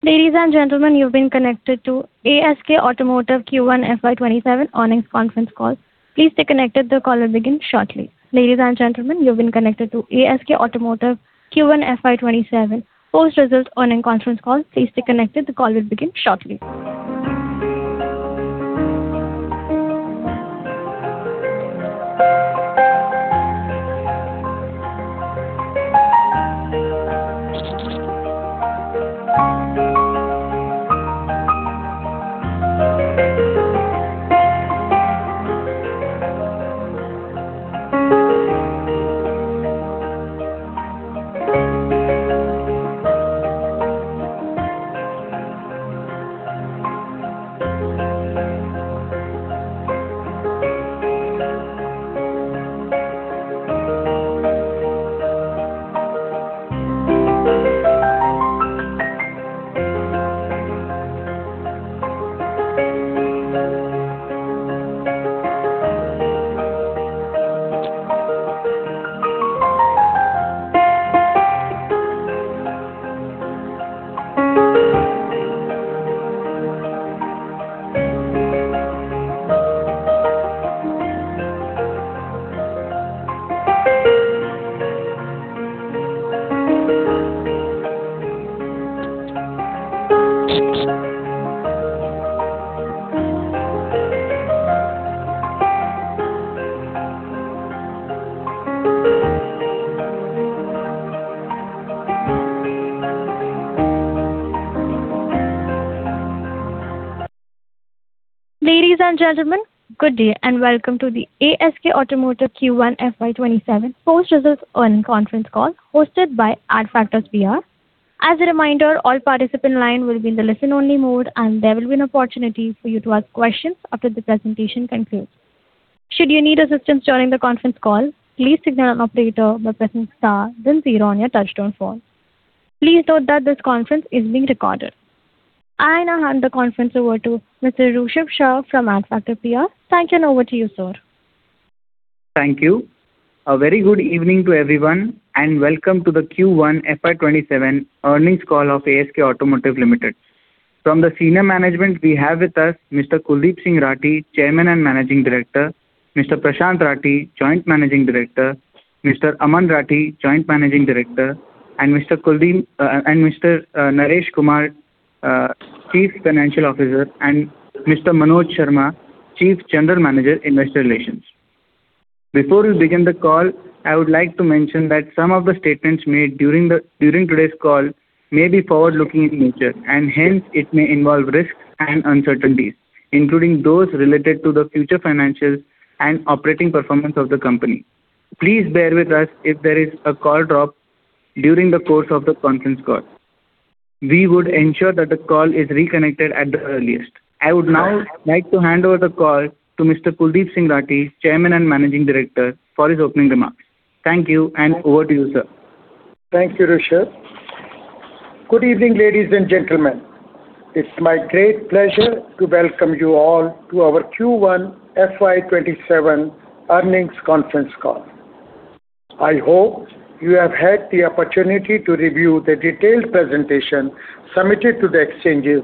Ladies and gentlemen, good day, and welcome to the ASK Automotive Q1 FY 2027 post-results earnings conference call hosted by Adfactors PR. As a reminder, all participant line will be in the listen-only mode, and there will be an opportunity for you to ask questions after the presentation concludes. Should you need assistance during the conference call, please signal an operator by pressing star then zero on your touchtone phone. Please note that this conference is being recorded. I now hand the conference over to Mr. Rushabh Shah from Adfactors PR. Thank you, and over to you, sir. Thank you. A very good evening to everyone, and welcome to the Q1 FY 2027 earnings call of ASK Automotive Limited. From the senior management, we have with us Mr. Kuldip Singh Rathee, Chairman and Managing Director, Mr. Prashant Rathee, Joint Managing Director, Mr. Aman Rathee, Joint Managing Director, and Mr. Naresh Kumar, Chief Financial Officer, and Mr. Manoj Sharma, Chief General Manager, Investor Relations. Before we begin the call, I would like to mention that some of the statements made during today's call may be forward-looking in nature, and hence it may involve risks and uncertainties, including those related to the future financials and operating performance of the company. Please bear with us if there is a call drop during the course of the conference call. We would ensure that the call is reconnected at the earliest. I would now like to hand over the call to Mr. Kuldip Singh Rathee, Chairman and Managing Director, for his opening remarks. Thank you, and over to you, sir. Thank you, Rushabh. Good evening, ladies and gentlemen. It's my great pleasure to welcome you all to our Q1 FY 2027 earnings conference call. I hope you have had the opportunity to review the detailed presentation submitted to the exchanges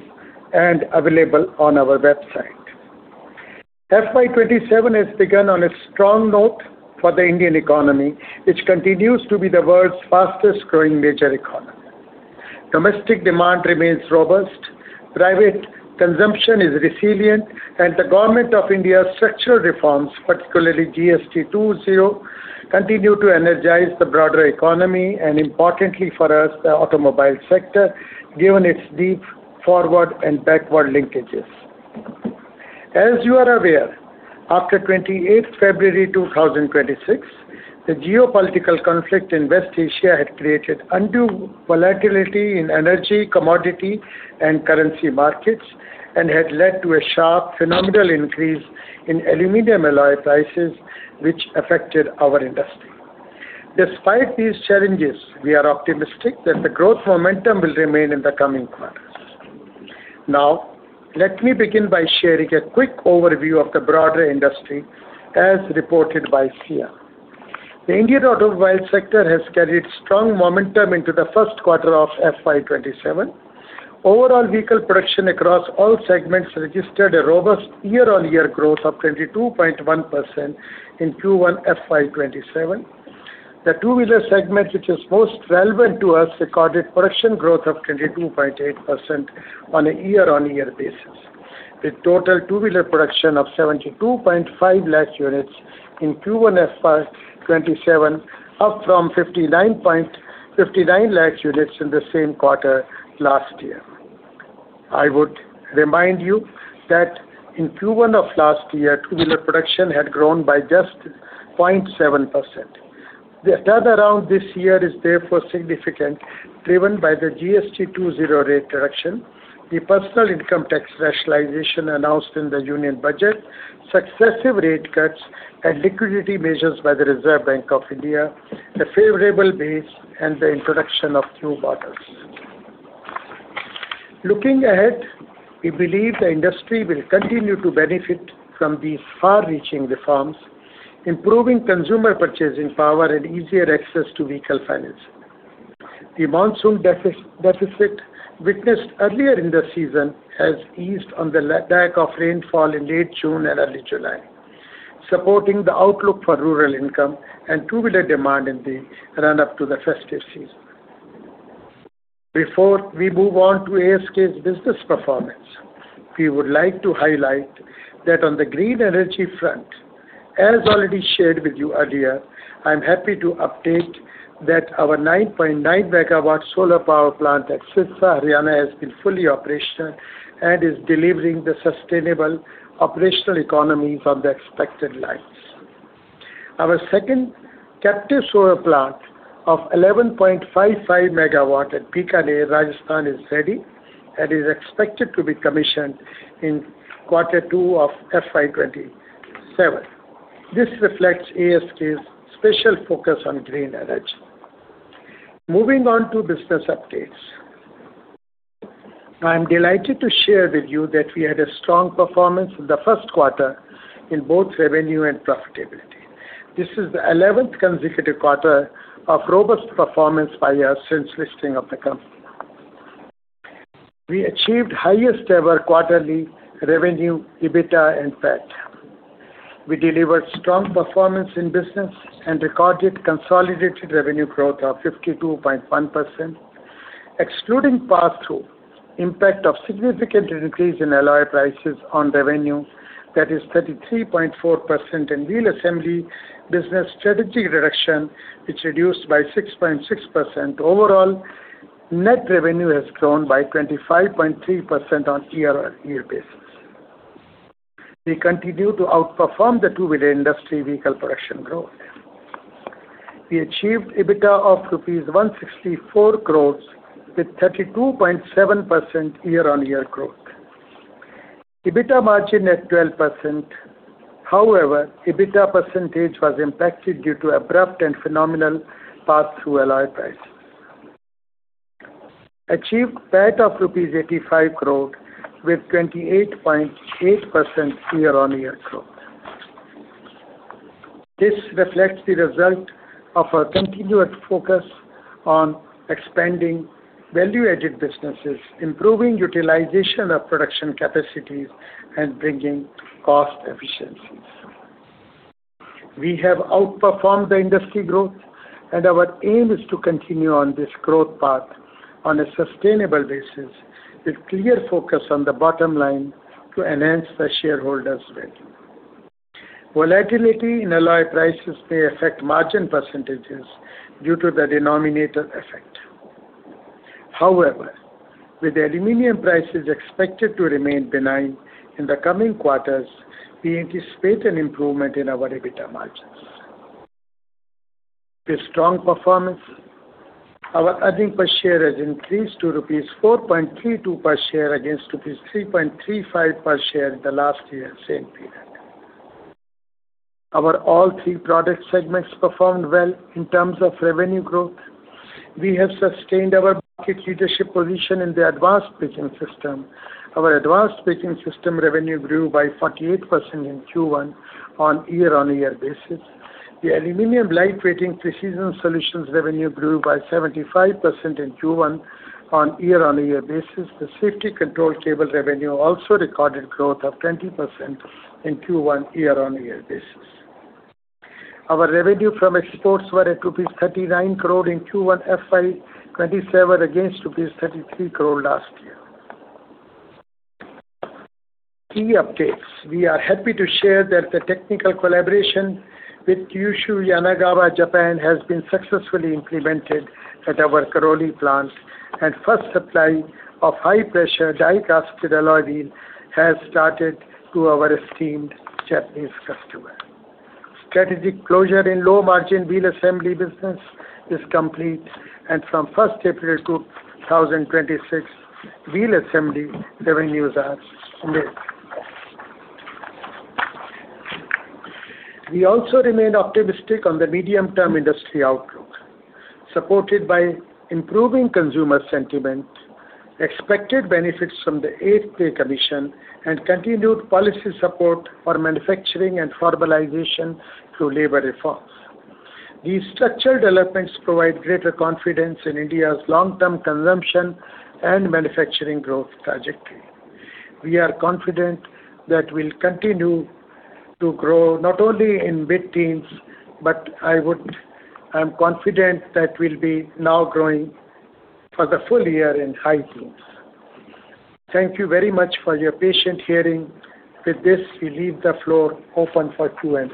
and available on our website. FY 2027 has begun on a strong note for the Indian economy, which continues to be the world's fastest growing major economy. Domestic demand remains robust, private consumption is resilient, and the Government of India's structural reforms, particularly GST 2.0, continue to energize the broader economy, and importantly for us, the automobile sector, given its deep forward and backward linkages. As you are aware, after February 28th 2026, the geopolitical conflict in West Asia had created undue volatility in energy, commodity, and currency markets and had led to a sharp phenomenal increase in aluminum alloy prices, which affected our industry. Despite these challenges, we are optimistic that the growth momentum will remain in the coming quarters. Now, let me begin by sharing a quick overview of the broader industry, as reported by SIAM. The Indian automobile sector has carried strong momentum into the first quarter of FY 2027. Overall vehicle production across all segments registered a robust year-on-year growth of 22.1% in Q1 FY 2027. The two-wheeler segment, which is most relevant to us, recorded production growth of 22.8% on a year-on-year basis, with total two-wheeler production of 72.5 lakh units in Q1 FY 2027, up from 59.59 lakh units in the same quarter last year. I would remind you that in Q1 of last year, two-wheeler production had grown by just 0.7%. The turnaround this year is therefore significant, driven by the GST 2.0 rate reduction, the personal income tax rationalization announced in the Union budget, successive rate cuts and liquidity measures by the Reserve Bank of India, the favorable base, and the introduction of new models. Looking ahead, we believe the industry will continue to benefit from these far-reaching reforms Improving consumer purchasing power and easier access to vehicle financing. The monsoon deficit witnessed earlier in the season has eased on the back of rainfall in late June and early July, supporting the outlook for rural income and two-wheeler demand in the run-up to the festive season. Before we move on to ASK's business performance, we would like to highlight that on the green energy front, as already shared with you earlier, I'm happy to update that our 9.9 MW solar power plant at Sirsa, Haryana, has been fully operational and is delivering the sustainable operational economies on the expected lines. Our second captive solar plant of 11.55 MW at Bikaner, Rajasthan, is ready and is expected to be commissioned in quarter two of FY 2027. This reflects ASK's special focus on green energy. Moving on to business updates. I'm delighted to share with you that we had a strong performance in the first quarter in both revenue and profitability. This is the 11th consecutive quarter of robust performance by us since listing of the company. We achieved highest ever quarterly revenue, EBITDA, and PAT. We delivered strong performance in business and recorded consolidated revenue growth of 52.1%, excluding passthrough impact of significant decrease in alloy prices on revenue that is 33.4% in wheel assembly business strategy reduction, which reduced by 6.6%. Overall, net revenue has grown by 25.3% on year-over-year basis. We continue to outperform the two-wheeler industry vehicle production growth. We achieved EBITDA of rupees 164 crore with 32.7% year-on-year growth. EBITDA margin at 12%. However, EBITDA percentage was impacted due to abrupt and phenomenal passthrough alloy price. Achieved PAT of rupees 85 crore with 28.8% year-on-year growth. This reflects the result of our continuous focus on expanding value-added businesses, improving utilization of production capacities, and bringing cost efficiencies. We have outperformed the industry growth, and our aim is to continue on this growth path on a sustainable basis with clear focus on the bottom line to enhance the shareholders' value. Volatility in alloy prices may affect margin percentages due to the denominator effect. With the aluminum prices expected to remain benign in the coming quarters, we anticipate an improvement in our EBITDA margins. With strong performance, our earnings per share has increased to rupees 4.32 per share against rupees 3.35 per share in the last year's same period. Our all three product segments performed well in terms of revenue growth. We have sustained our market leadership position in the advanced braking system. Our advanced braking system revenue grew by 48% in Q1 year-over-year basis. The Aluminum Light Weighting Precision Solutions revenue grew by 75% in Q1 year-over-year basis. The Safety Control Cable revenue also recorded growth of 20% in Q1 year-over-year basis. Our revenue from exports was at rupees 39 crore in Q1 FY 2027 against rupees 33 crore last year. Key updates. We are happy to share that the technical collaboration with Kyushu Yanagawa, Japan, has been successfully implemented at our Karoli plant, first supply of high-pressure die-casted alloy wheel has started to our esteemed Japanese customer. Strategic closure in low-margin wheel assembly business is complete, from April 1st 2026, wheel assembly revenues are mixed. We also remain optimistic on the medium-term industry outlook, supported by improving consumer sentiment, expected benefits from the Eighth Pay Commission, continued policy support for manufacturing and formalization through labor reforms. These structural developments provide greater confidence in India's long-term consumption and manufacturing growth trajectory. We are confident that we'll continue to grow not only in mid-teens, I'm confident that we'll be now growing for the full year in high teens. Thank you very much for your patient hearing. With this, we leave the floor open for Q&A.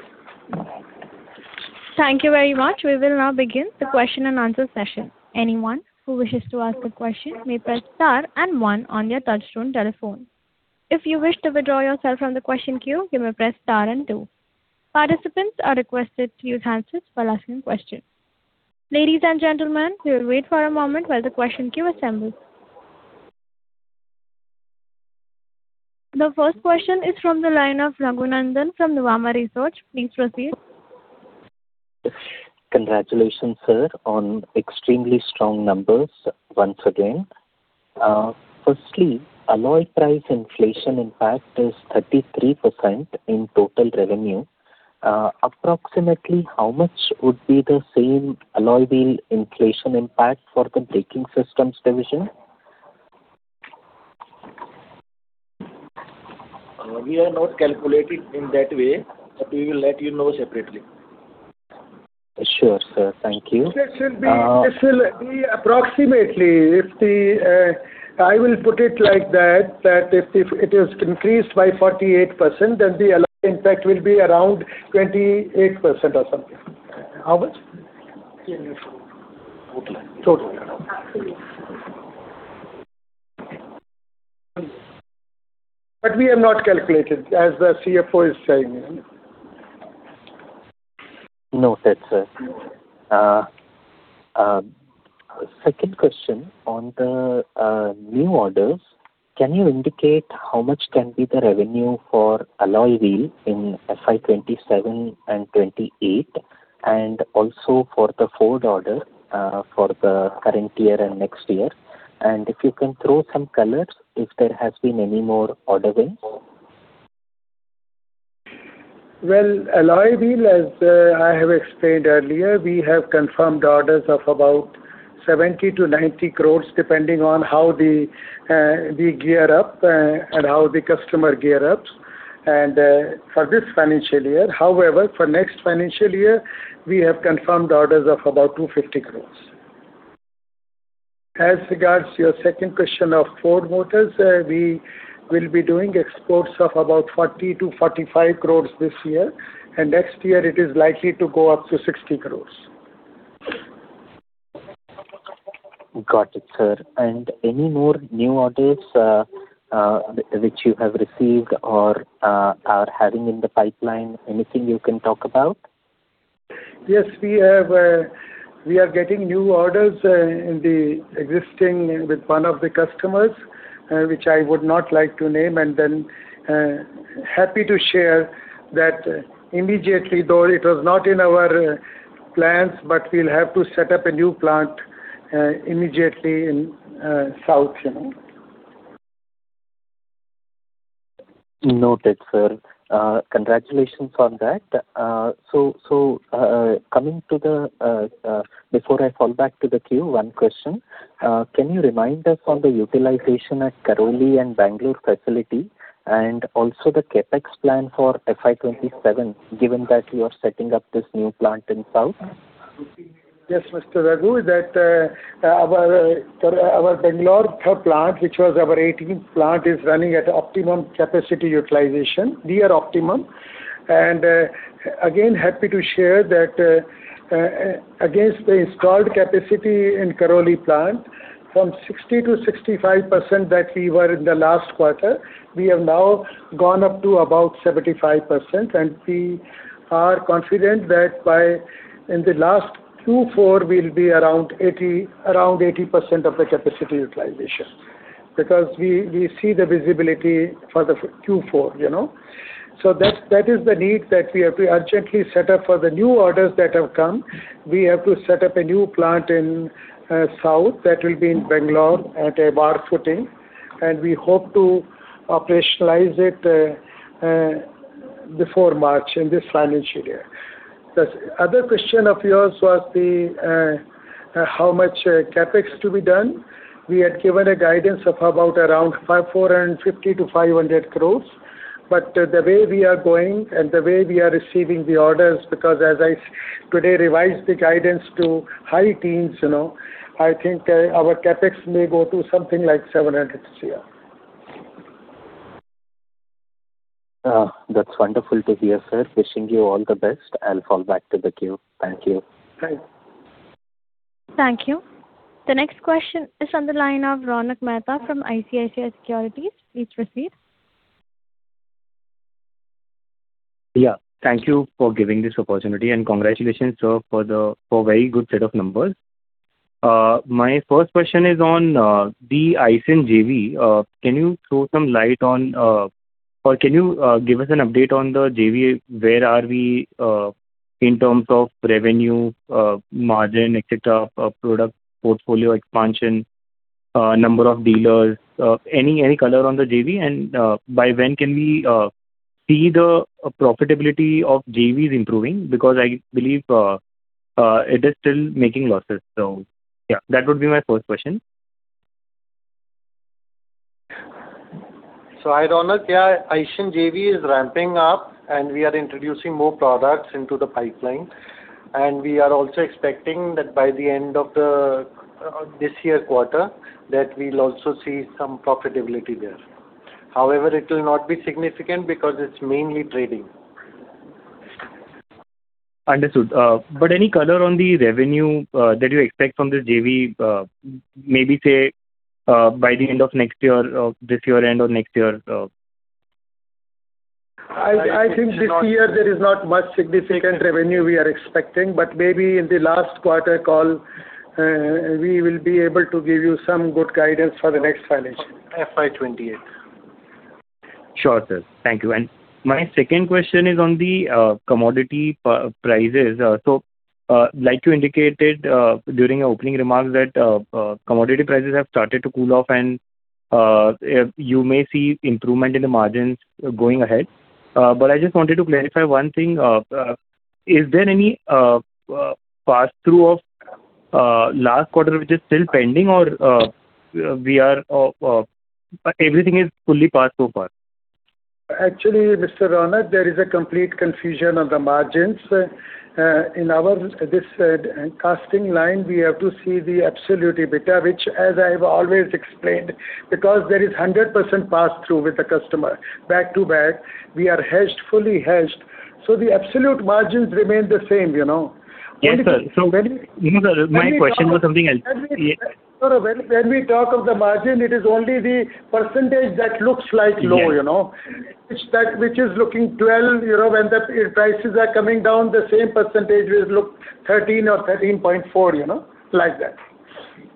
Thank you very much. We will now begin the question and answer session. Anyone who wishes to ask a question may press star one on their touch-tone telephone. If you wish to withdraw yourself from the question queue, you may press star two. Participants are requested to use handsets while asking questions. Ladies and gentlemen, we will wait for a moment while the question queue assembles. The first question is from the line of Raghunandhan from the Nuvama Research. Please proceed. Congratulations, sir, on extremely strong numbers once again. Firstly, alloy price inflation impact is 33% in total revenue. Approximately how much would be the same alloy wheel inflation impact for the braking systems division? We are not calculating in that way, but we will let you know separately. Sure, sir. Thank you. It will be approximately, I will put it like that if it is increased by 48%, then the impact will be around 28% or something. How much? Total. Total. We have not calculated, as the CFO is telling you. Noted, sir. Second question on the new orders, can you indicate how much can be the revenue for alloy wheel in FY 2027 and 2028, also for the Ford order for the current year and next year? If you can throw some light, if there has been any more order wins. Well, alloy wheel, as I have explained earlier, we have confirmed orders of about 70 crore-90 crore, depending on how we gear up and how the customer gears up for this financial year. However, for next financial year, we have confirmed orders of about 250 crore. As regards your second question of Ford Motors, we will be doing exports of about 40 crore-45 crore this year, next year it is likely to go up to INR 60 crore. Got it, sir. Any more new orders which you have received or are having in the pipeline, anything you can talk about? Yes, we are getting new orders with one of the existing customers, which I would not like to name, happy to share that immediately, though it was not in our plans, but we'll have to set up a new plant immediately in South. Noted, sir. Congratulations on that. Coming to the, before I fall back to the queue, one question. Can you remind us on the utilization at Karoli and Bangalore facility and also the CapEx plan for FY 2027, given that you are setting up this new plant in south? Yes, Mr. Raghu, our Bangalore plant, which was our 18th plant, is running at optimum capacity utilization. Near optimum. Again, happy to share that against the installed capacity in Karoli plant from 60%-65% that we were in the last quarter, we have now gone up to about 75%, and we are confident that by the last Q4, we'll be around 80% of the capacity utilization, because we see the visibility for the Q4. That is the need that we have to urgently set up for the new orders that have come. We have to set up a new plant in south that will be in Bangalore at a war footing, and we hope to operationalize it before March in this financial year. The other question of yours was how much CapEx to be done. We had given a guidance of about around 450 crore-500 crore. The way we are going and the way we are receiving the orders, because as I today revised the guidance to high teens, I think our CapEx may go to something like 700 crore this year. That's wonderful to hear, sir. Wishing you all the best. I'll fall back to the queue. Thank you. Thanks. Thank you. The next question is on the line of Ronak Mehta from ICICI Securities. Please proceed. Yeah. Thank you for giving this opportunity and congratulations, sir, for a very good set of numbers. My first question is on the Aisin JV. Can you throw some light on, or can you give us an update on the JV? Where are we in terms of revenue, margin, et cetera, product portfolio expansion, number of dealers, any color on the JV, and by when can we see the profitability of JVs improving? Because I believe it is still making losses. Yeah, that would be my first question. Ronak, yeah, Aisin JV is ramping up, and we are introducing more products into the pipeline. We are also expecting that by the end of this year's quarter, that we will also see some profitability there. However, it will not be significant because it is mainly trading. Understood. Any color on the revenue that you expect from this JV, maybe say, by the end of next year or this year end or next year? I think this year there is not much significant revenue we are expecting, but maybe in the last quarter call, we will be able to give you some good guidance for the next financial year. FY2028. Sure, sir. Thank you. My second question is on the commodity prices. Like you indicated during your opening remarks that commodity prices have started to cool off and you may see improvement in the margins going ahead. I just wanted to clarify one thing. Is there any pass-through of last quarter, which is still pending, or everything is fully passed so far? Actually, Mr. Ronak, there is a complete confusion of the margins. In our casting line, we have to see the absolute EBITDA, which as I've always explained, because there is 100% pass-through with the customer back to back, we are hedged, fully hedged, so the absolute margins remain the same. Yes, sir. No, sir, my question was something else. When we talk of the margin, it is only the percentage that looks like low. Yeah. Which is looking 12, when the prices are coming down, the same percentage will look 13 or 13.4. Like that.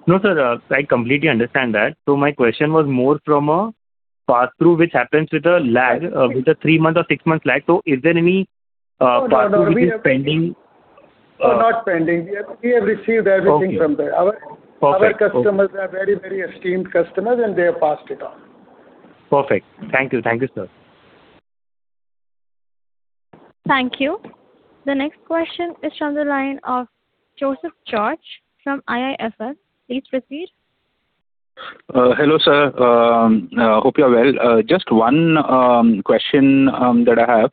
No, sir, I completely understand that. My question was more from a pass-through which happens with a lag, with a three month or six month lag. Is there any pass-through which is pending? No, not pending. We have received everything from there. Okay. Perfect. Our customers are very esteemed customers, and they have passed it on. Perfect. Thank you, sir. Thank you. The next question is from the line of Joseph George from IIFL. Please proceed. Hello, sir. Hope you're well. Just one question that I have.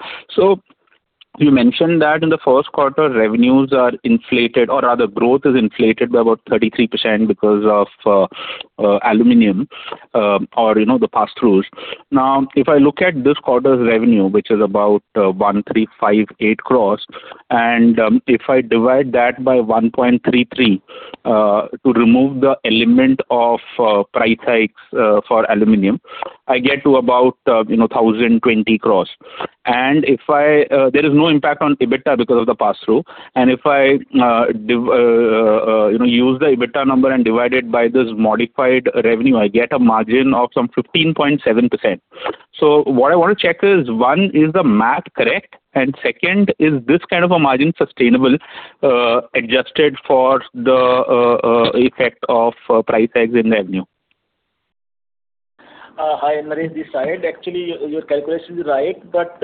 You mentioned that in the first quarter, revenues are inflated, or rather growth is inflated by about 33% because of aluminum or the pass-throughs. If I look at this quarter's revenue, which is about 1,358 crores, and if I divide that by 1.33 to remove the element of price hikes for aluminum, I get to about 1,020 crores. There is no impact on EBITDA because of the pass-through, and if I use the EBITDA number and divide it by this modified revenue, I get a margin of some 15.7%. What I want to check is, one, is the math correct? Second, is this kind of a margin sustainable, adjusted for the effect of price hikes in revenue? Hi, Naresh this side. Actually, your calculation is right, but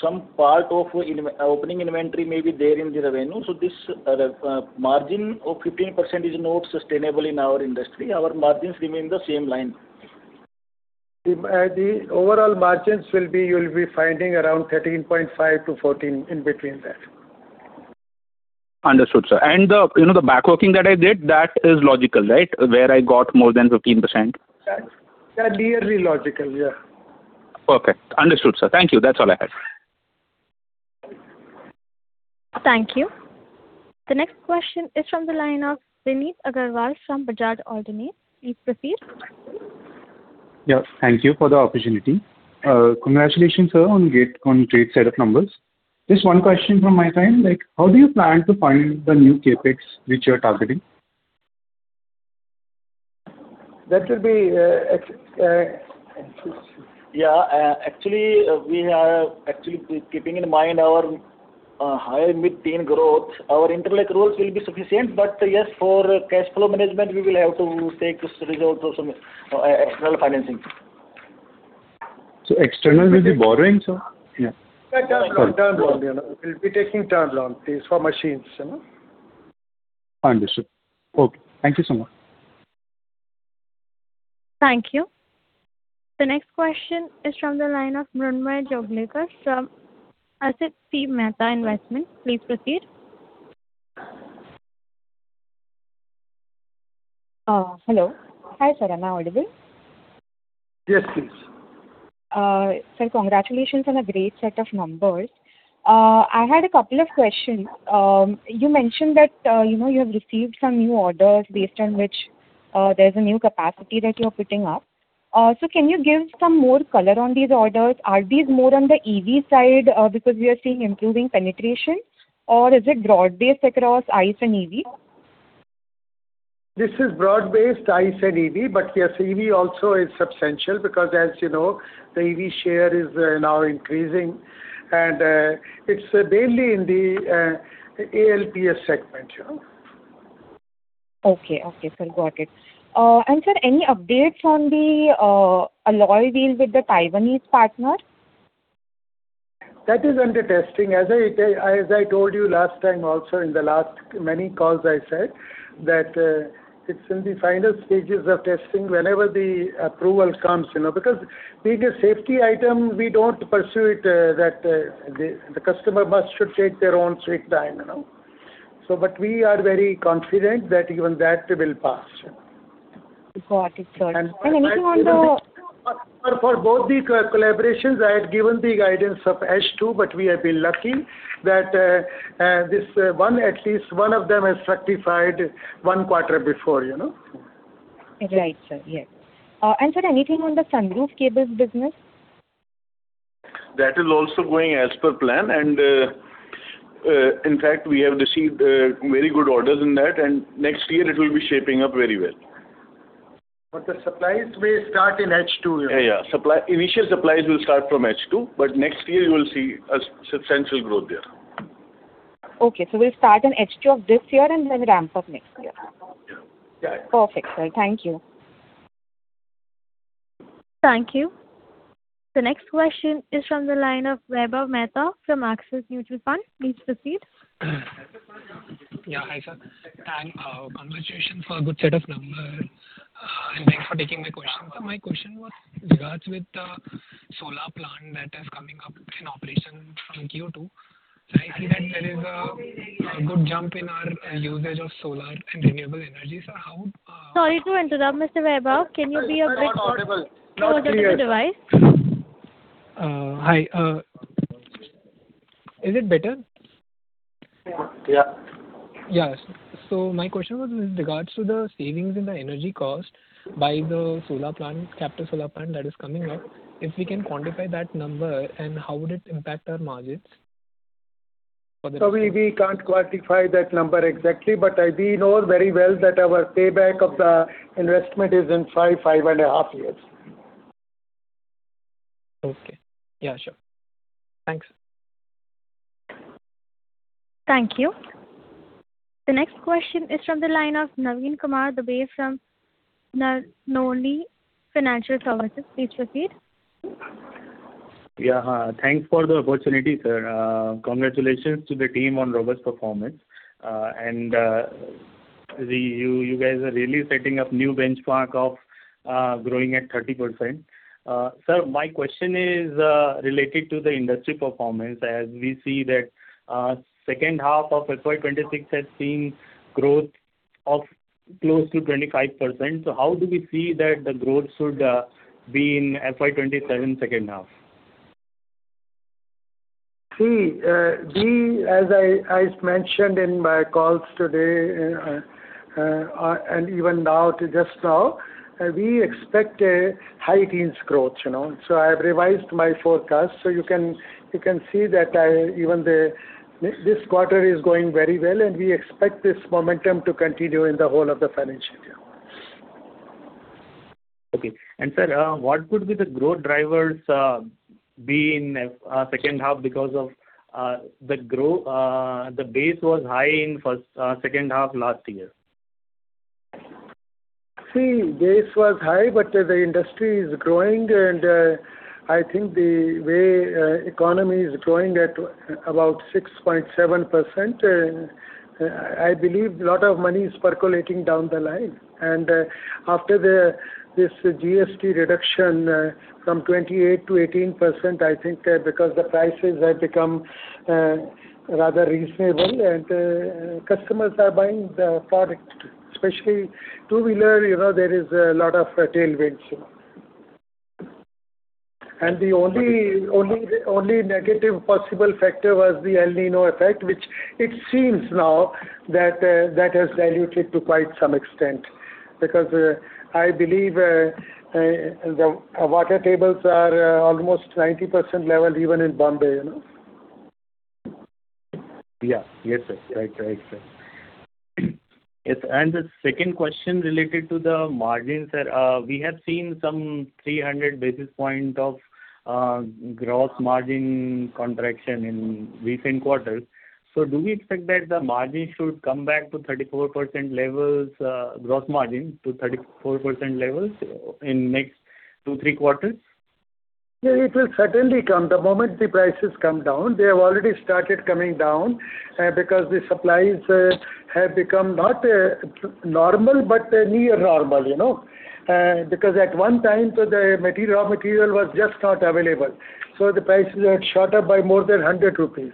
some part of opening inventory may be there in the revenue, so this margin of 15% is not sustainable in our industry. Our margins remain the same line. The overall margins you'll be finding around 13.5%-14%, in between that. Understood, sir. The back working that I did, that is logical, right? Where I got more than 15%. That's nearly logical, yeah. Okay. Understood, sir. Thank you. That's all I had. Thank you. The next question is from the line of. [inaudible] Please proceed. Yeah, thank you for the opportunity. Congratulations, sir, on great set of numbers. Just one question from my side. How do you plan to fund the new CapEx which you're targeting? That will be. Yeah. Actually, keeping in mind our high mid-teen growth, our internal accruals will be sufficient. Yes, for cash flow management, we will have to take the result of some external financing. External will be borrowing, sir? Yeah. Term loan. We will be taking term loans. These for machines. Understood. Okay. Thank you so much. Thank you. The next question is from the line of Mrunmayee Jogalekar from Asit C Mehta Investment. Please proceed. Hello. Hi, sir. Am I audible? Yes, please. Sir, congratulations on a great set of numbers. I had a couple of questions. You mentioned that you have received some new orders based on which there's a new capacity that you're putting up. Can you give some more color on these orders? Are these more on the EV side because we are seeing improving penetration, or is it broad-based across ICE and EV? This is broad-based ICE and EV. Yes, EV also is substantial because, as you know, the EV share is now increasing, and it's mainly in the ALPS segment. Okay, sir. Got it. Sir, any updates on the alloy wheel with the Taiwanese partner? That is under testing. As I told you last time also, in the last many calls I said that it's in the final stages of testing. Whenever the approval comes, because being a safety item, we don't pursue it, that the customer should take their own sweet time. We are very confident that even that will pass. Got it, sir. For both the collaborations, I had given the guidance of H2, but we have been lucky that at least one of them has certified one quarter before. Right, sir. Yes. Sir, anything on the sunroof cables business? That is also going as per plan. In fact, we have received very good orders in that, and next year it will be shaping up very well. The supplies may start in H2. Initial supplies will start from H2, but next year you will see a substantial growth there. We'll start in H2 of this year and then ramp up next year. Yeah. Perfect, sir. Thank you. Thank you. The next question is from the line of Vaibhav Mehta from Axis Mutual Fund. Please proceed. Yeah. Hi, sir. Congratulations for a good set of numbers. Thanks for taking my question. My question was regards with the solar plant that is coming up in operation from Q2. Lately there is a good jump in our usage of solar and renewable energy. How- Sorry to interrupt, Mr. Vaibhav. Can you be a bit- Not audible closer to the device? Hi. Is it better? Yeah. Yes. My question was with regards to the savings in the energy cost by the captive solar plant that is coming up, if we can quantify that number and how would it impact our margins for the next. We can't quantify that number exactly, but we know very well that our payback of the investment is in five and a half years. Okay. Yeah, sure. Thanks. Thank you. The next question is from the line of Naveen Kumar Dubey from Narnolia Financial Services. Please proceed. Yeah. Thanks for the opportunity, sir. Congratulations to the team on robust performance. You guys are really setting up new benchmark of growing at 30%. Sir, my question is related to the industry performance as we see that second half of FY 2026 has seen growth of close to 25%. How do we see that the growth should be in FY 2027 second half? See, as I mentioned in my calls today, and even now, just now, we expect a high teens growth. I've revised my forecast. You can see that even this quarter is going very well, and we expect this momentum to continue in the whole of the financial year. Okay. Sir, what could be the growth drivers be in second half because of the base was high in second half last year? See, base was high, but the industry is growing, I think the way economy is growing at about 6.7%, I believe lot of money is percolating down the line. After this GST reduction from 28% to 18%, I think because the prices have become rather reasonable and customers are buying the product. Especially two-wheeler, there is a lot of tailwinds. The only negative possible factor was the El Niño effect, which it seems now that has diluted to quite some extent. Because I believe the water tables are almost 90% level even in Bombay. Yeah. Yes, sir. Right, sir. The second question related to the margins that we have seen some 300 basis points of gross margin contraction in recent quarters. Do we expect that the margin should come back to 34% levels, gross margin to 34% levels in next two, three quarters? Yeah, it will certainly come. The moment the prices come down. They have already started coming down, because the supplies have become not normal, but near normal. At one time, the raw material was just not available, so the prices had shot up by more than 100 rupees.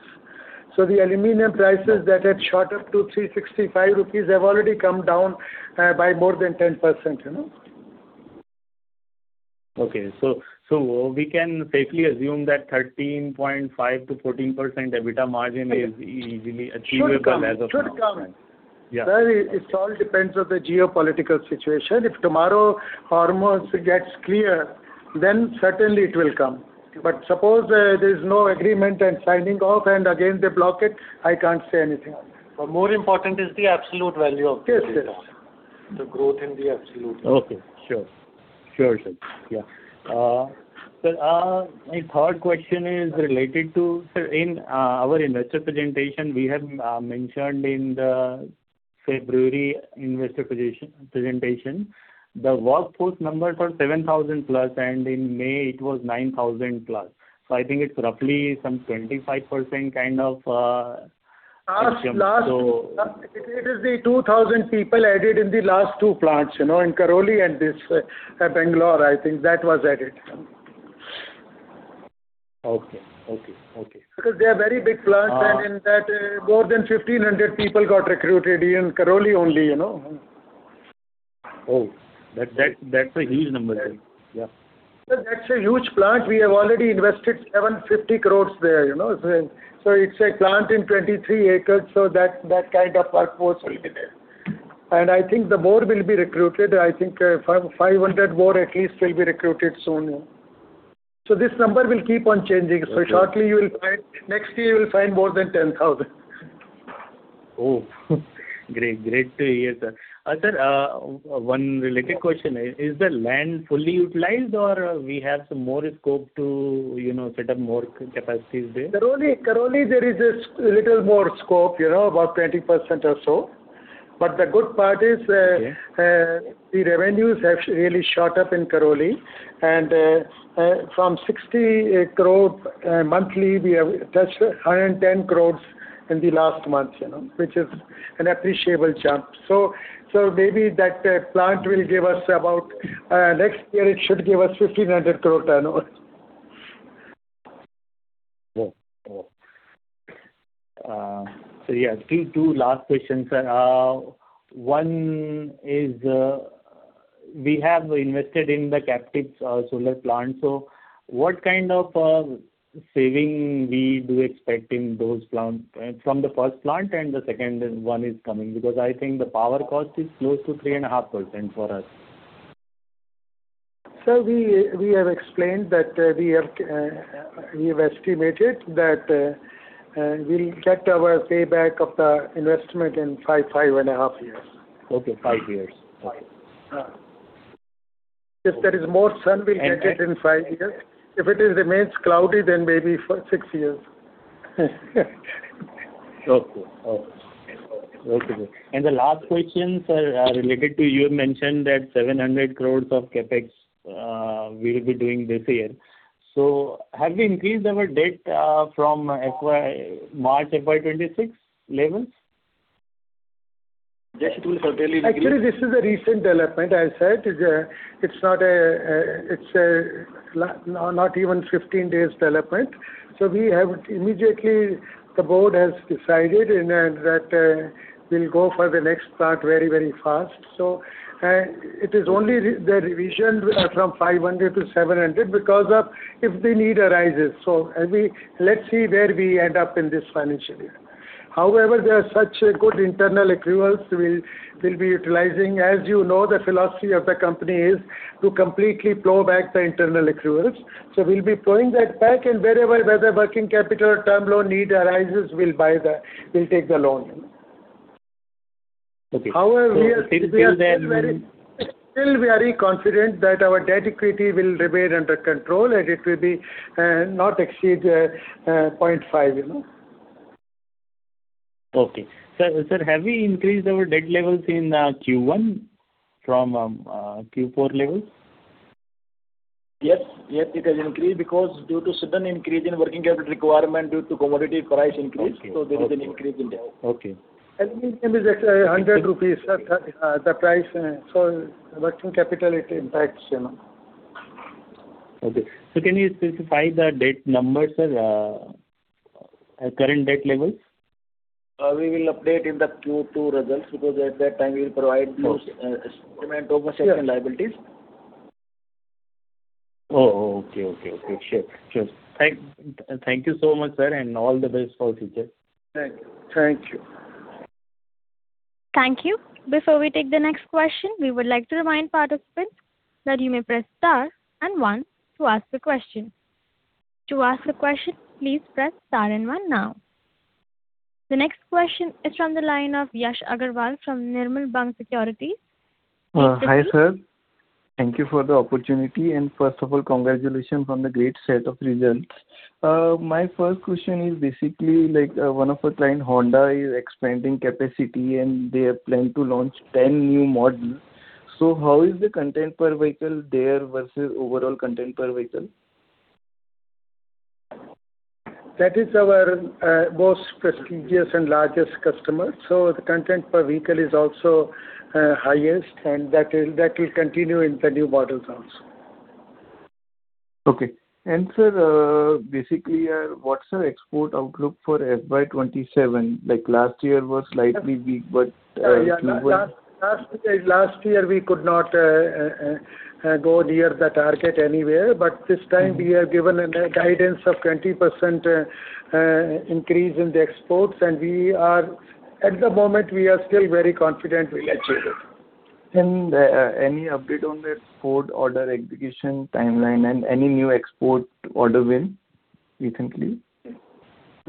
The aluminum prices that had shot up to 365 rupees have already come down by more than 10%. Okay. We can safely assume that 13.5%-14% EBITDA margin is easily achievable as of now. Should come. Yeah. It all depends on the geopolitical situation. If tomorrow, Hormuz gets clear, then certainly it will come. Suppose there is no agreement and signing off and again they block it, I can't say anything on that. More important is the absolute value of the data. Yes. The growth in the absolute value. Okay. Sure, sir. Yeah. Sir, my third question is related to, sir in our investor presentation, we have mentioned in the February investor presentation, the workforce number for 7,000+, and in May it was 9,000+. I think it's roughly some 25% Last- So- It is the 2,000 people added in the last two plants, in Karoli and this Bangalore, I think that was added. Okay. Because they are very big plants. In that, more than 1,500 people got recruited in Karoli only. Oh, that's a huge number. Yeah. Sir, that's a huge plant. We have already invested 750 crore there. It's a plant in 23 acres, that kind of workforce will be there. I think the board will be recruited. I think 500 board at least will be recruited soon. This number will keep on changing. Okay. shortly you will find, next year you will find more than 10,000. Oh. Great to hear, sir. Sir, one related question. Is the land fully utilized or we have some more scope to set up more capacities there? Karoli, there is a little more scope, about 20% or so. Yeah the revenues have really shot up in Karoli and from 60 crore monthly, we have touched 110 crores in the last month. Which is an appreciable jump. maybe that plant will give us about, next year it should give us 1,500 crore turnover. Oh. Yeah. Two last questions, sir. One is, we have invested in the captive solar plant, so what kind of saving we do expect in those plants, from the first plant and the second one is coming? I think the power cost is close to 3.5% for us. Sir, we have explained that we have estimated that we'll get our payback of the investment in five and a half years. Okay. Five years. Five. Yeah. If there is more sun, we'll get it in five years. If it remains cloudy, then maybe six years. Okay. The last question, sir, related to you mentioned that 700 crores of CapEx, we'll be doing this year. Have we increased our debt from March FY 2026 level? Actually, this is a recent development. I said, it's not even 15 days development. We have immediately, the board has decided that we'll go for the next part very, very fast. It is only the revision from 500 to 700 because of if the need arises. Let's see where we end up in this financial year. However, there are such good internal accruals we'll be utilizing. As you know, the philosophy of the company is to completely plow back the internal accruals. We'll be plowing that back and wherever, whether working capital or term loan need arises, we'll take the loan. Okay. However- Till then- Still we are very confident that our debt equity will remain under control, and it will be not exceed 0.5. Okay. Sir, have we increased our debt levels in Q1 from Q4 levels? Yes. It has increased because due to sudden increase in working capital requirement due to commodity price increase. Okay There is an increase in debt. Okay. It is actually 100 rupees, sir, the price. Working capital, it impacts. Can you specify the debt numbers, sir? Current debt levels? We will update in the Q2 results because at that time we'll provide Okay statement of liabilities. Oh, okay. Sure. Thank you so much, sir, and all the best for future. Thank you. Thank you. Before we take the next question, we would like to remind participants that you may press star and one to ask the question. To ask the question, please press star and one now. The next question is from the line of Yash Agarwal from Nirmal Bang Securities. Hi, sir. Thank you for the opportunity, and first of all, congratulations on the great set of results. My first question is basically, one of our client, Honda, is expanding capacity, and they plan to launch 10 new models. How is the content per vehicle there versus overall content per vehicle? That is our most prestigious and largest customer, so the content per vehicle is also highest, and that will continue in the new models also. Sir, basically, what's the export outlook for FY 2027? Last year was slightly weak, but Q1- Last year we could not go near the target anywhere. This time we have given a guidance of 20% increase in the exports, at the moment, we are still very confident we'll achieve it. Any update on the export order execution timeline and any new export order win recently?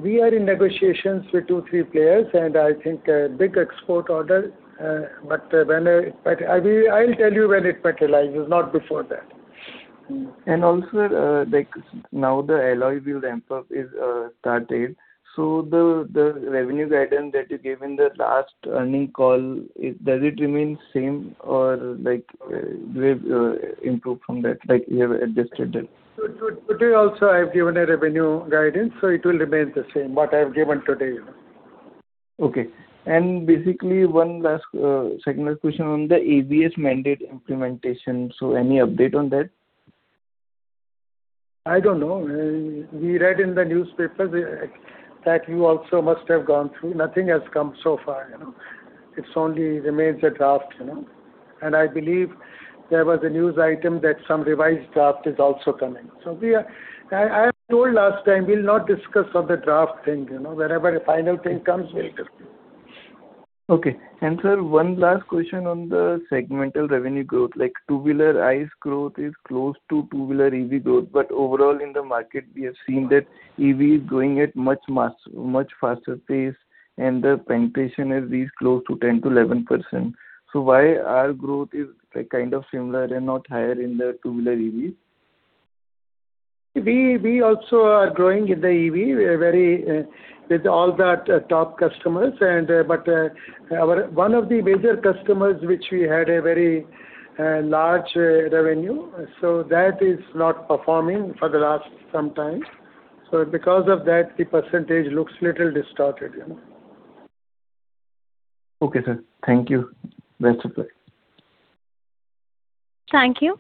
We are in negotiations with two, three players. I think a big export order. I'll tell you when it materializes, not before that. Also, sir, now the alloy wheel ramp-up is started, so the revenue guidance that you gave in the last earning call, does it remain same or do we improve from that, like you have adjusted that? Today also I've given a revenue guidance, so it will remain the same, what I've given today. Okay. Basically one last secondary question on the ABS mandate implementation. Any update on that? I don't know. We read in the newspaper that you also must have gone through. Nothing has come so far. It only remains a draft. I believe there was a news item that some revised draft is also coming. I told last time, we'll not discuss on the draft thing. Whenever the final thing comes, we'll discuss. Sir, one last question on the segmental revenue growth. Two-wheeler ICE growth is close to two-wheeler EV growth. Overall in the market, we have seen that EV is growing at much faster pace, and the penetration is close to 10%-11%. Why our growth is kind of similar and not higher in the two-wheeler EV? We also are growing in the EV with all that top customers. One of the major customers, which we had a very large revenue, that is not performing for the last some time. Because of that, the percentage looks a little distorted. Okay, sir. Thank you. Best regards. Thank you.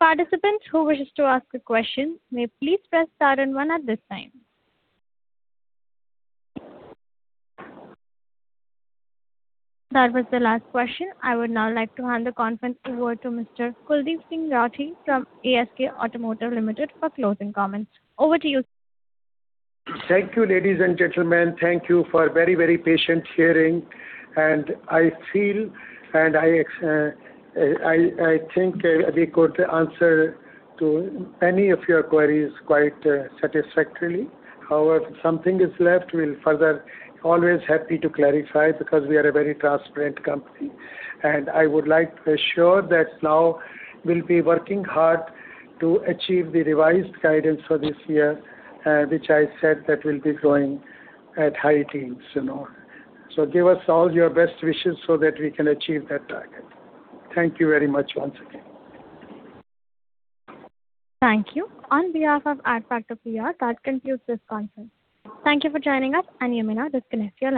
Participants who wishes to ask a question may please press star one at this time. That was the last question. I would now like to hand the conference over to Mr. Kuldip Singh Rathee from ASK Automotive Limited for closing comments. Over to you, sir. Thank you, ladies and gentlemen. Thank you for very patient hearing. I think we could answer to any of your queries quite satisfactorily. However, something is left, we're always happy to clarify because we are a very transparent company. I would like to assure that now we'll be working hard to achieve the revised guidance for this year, which I said that we'll be growing at high teens. Give us all your best wishes so that we can achieve that target. Thank you very much once again. Thank you. On behalf of Adfactors PR, that concludes this conference. Thank you for joining us, and you may now disconnect your lines.